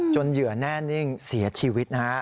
เหยื่อแน่นิ่งเสียชีวิตนะฮะ